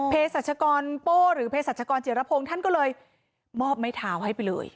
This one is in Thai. สัชกรโป้หรือเพศรัชกรจิรพงศ์ท่านก็เลยมอบไม้เท้าให้ไปเลย